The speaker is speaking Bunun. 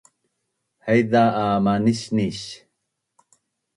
haiza a manisnis